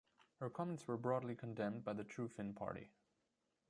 Her comments were broadly condemned by the True Finn party.